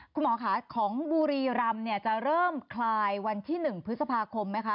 คุณหมอค่ะของบุรีรำจะเริ่มคลายวันที่๑พฤษภาคมไหมคะ